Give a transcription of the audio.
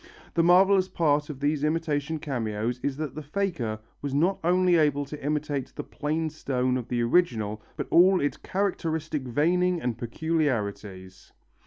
The marvellous part of these imitation cameos is that the faker was not only able to imitate the plain stone of the original but all its characteristic veining and peculiarities.